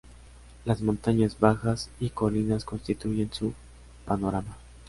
Las montañas bajas y colinas constituyen su panorama.